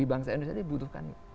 bangsa indonesia ini butuhkan